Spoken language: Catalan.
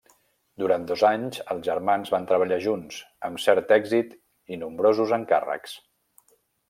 Durant dos anys els germans van treballar junts, amb cert èxit i nombrosos encàrrecs.